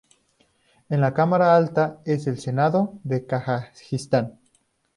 La cámara alta es el Senado de Kazajistán.